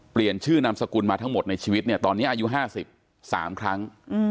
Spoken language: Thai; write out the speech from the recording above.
เปลี่ยนนำสกุลมาทั้งหมดในชีวิตตอนนี้อายุ๕๐๓ครั้ง